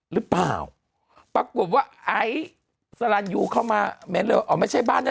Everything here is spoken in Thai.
หรือเปล่าปรากฏว่าไอสรรจ์ยูเข้ามาไม่เลยอ่อไม่ใช่บ้านน่ะ